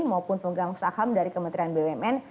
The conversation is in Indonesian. maupun pemegang saham dari kementerian bumn